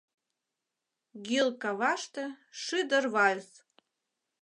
Гӱл каваште — шӱдыр вальс.